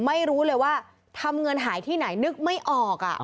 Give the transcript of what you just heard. ไม่รู้เลยว่าทำเงินหายที่ไหนนึกไม่ออก